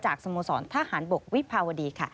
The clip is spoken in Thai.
สโมสรทหารบกวิภาวดีค่ะ